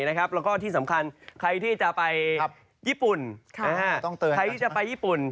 แล้วก็ที่สำคัญใครที่จะไปญี่ปุ่น